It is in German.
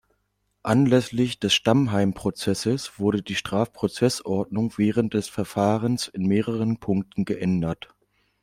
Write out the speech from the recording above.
Anlässlich des Stammheim-Prozesses wurde die Strafprozessordnung während des Verfahrens in mehreren Punkten geändert.